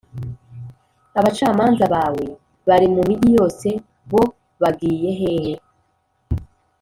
Abacamanza bawe bari mu migi yose, bo bagiye hehe?